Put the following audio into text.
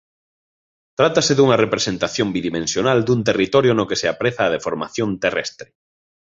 Trátase dunha representación bidimensional dun territorio no que se aprecia a deformación terrestre.